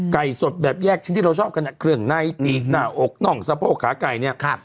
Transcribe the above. ไก่สดแบบแยกชิ้นที่เราชอบกันเนี้ยเครื่องไหน้ตีหน้าอกน่องสะโพกขาไก่เนี้ยครับ